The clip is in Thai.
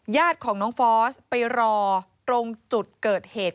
ญาติของน้องฟอสไปรอตรงจุดเกิดเหตุ